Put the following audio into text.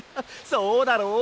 そうだろう？